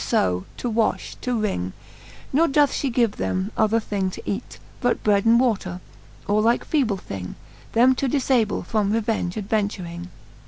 ss[^ to wafh, to wring 5 Ne doth fhe give them other thing to eat, But bread and water, or like feeble thing, Them to difable from revenge adventuring.